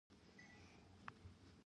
د شیراز او تهران روغتونونه مشهور دي.